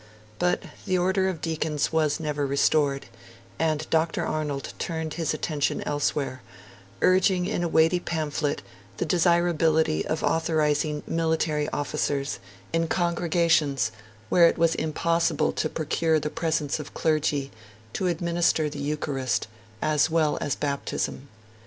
But the Order of Deacons was never restored, and Dr. Arnold turned his attention elsewhere, urging in a weighty pamphlet the desirabitity of authorising military officers, in congregations where it was impossible to procure the presence of clergy, to administer the Eucharist, as well as Baptism.